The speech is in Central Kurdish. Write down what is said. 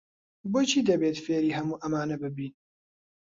بۆچی دەبێت فێری هەموو ئەمانە ببین؟